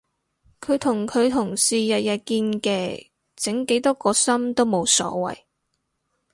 佢同佢同事日日見嘅整幾多個心都冇所謂